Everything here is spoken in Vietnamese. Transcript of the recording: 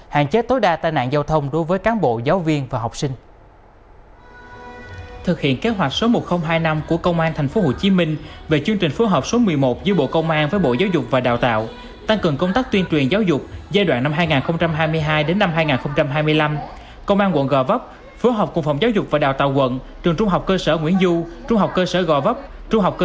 hạn chế tối đa tai nạn giao thông đối với cán bộ giáo viên và học sinh